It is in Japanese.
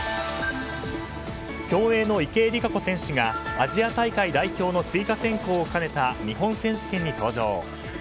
競泳の池江璃花子選手がアジア大会代表の追加選考を兼ねた日本選手権に登場。